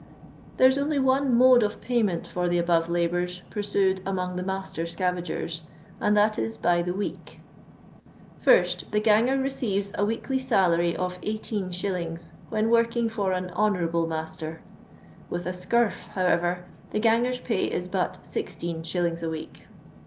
There is only one mode qf payment for the above labours pursued among the master scavagers, and that if by the week. Ist. The ganger receives a weekly salary of 18«. when working for an honourable " master ; with a '* scurf," however, the ganger*s ft^ is but ICt, a week.